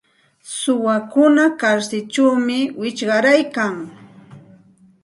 Suwakuna karsilćhawmi wichqaryarkan.